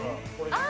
あ！